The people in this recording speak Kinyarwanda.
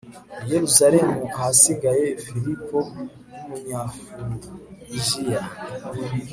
i yeruzalemu ahasiga filipo w'umunyafurujiya